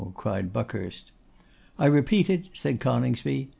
cried Buckhurst. 'I repeat it,' said Coningsby.